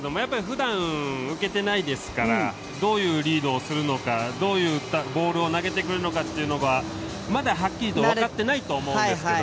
ふだん受けてないですから、どういうリードをするのか、どういうボールを投げてくるのかっていうのがまだはっきり分かってないと思うんですけど